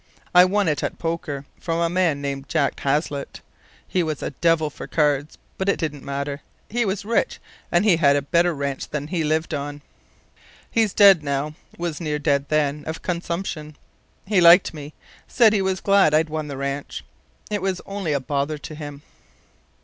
I won it at poker from a man named Jack Haslett. He was a devil for cards, but it didn't matter. He was rich; and he had a better ranch that he lived on. He's dead now was near dead then, of consumption. He liked me. Said he was glad I'd won the ranch. It was only a bother to him.